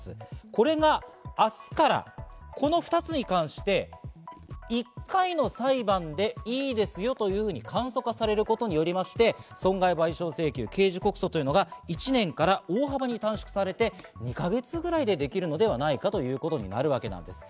これが明日からこの２つに関して、１回の裁判でいいですよ、というふうに簡素化されることによりまして、損害賠償請求、刑事告訴というのが１年から大幅に短縮されて、２か月ぐらいでできるのではないかということになるわけなんです。